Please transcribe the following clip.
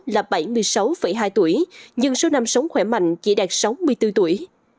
là bảy mươi sáu hai tuổi nhưng số năm sống khỏe mạnh chỉ đạt sáu mươi bốn tuổi